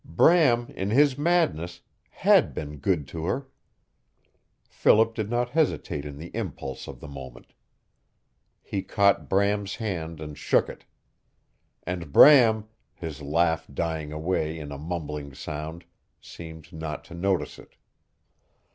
Bram, in his madness, had been good to her. Philip did not hesitate in the impulse of the moment. He caught Bram's hand and shook it. And Bram, his laugh dying away in a mumbling sound, seemed not to notice it.